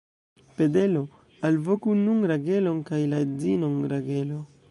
Pedelo, alvoku nun Ragelon kaj la edzinon Ragelo.